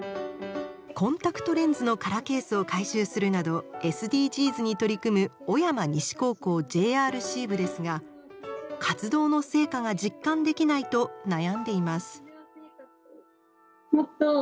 コンタクトレンズの空ケースを回収するなどＳＤＧｓに取り組む小山西高校ＪＲＣ部ですが活動の成果が実感できないと悩んでいます。